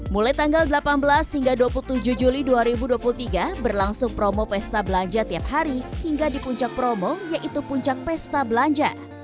mulai tanggal delapan belas hingga dua puluh tujuh juli dua ribu dua puluh tiga berlangsung promo pesta belanja tiap hari hingga di puncak promo yaitu puncak pesta belanja